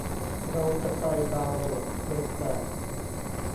เราจะไปดาวน์โหลดโปรแกรม